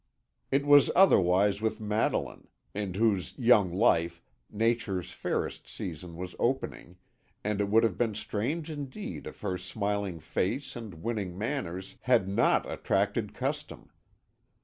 It was otherwise with Madeline, in whose young life Nature's fairest season was opening, and it would have been strange indeed if her smiling face and winning manners had not attracted custom.